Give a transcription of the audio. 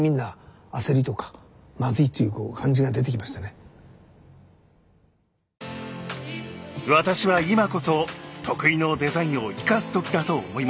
私は今こそ得意のデザインを生かす時だと思いました。